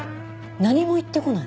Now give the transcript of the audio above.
何も言ってこない？